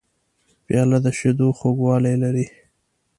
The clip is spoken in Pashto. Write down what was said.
پیاله د شیدو خوږوالی لري.